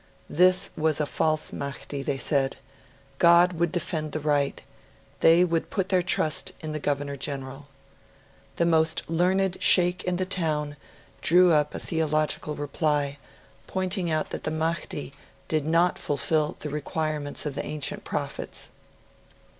This was a false Mahdi, they said; God would defend the right; they put their trust in the Governor General. The most learned Sheikh in the town drew up a theological reply, pointing out that the Mahdi did not fulfil the requirements of the ancient prophets.